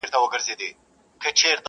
• يوه بهرنۍ ښځه عکس اخلي او يادښتونه ليکي,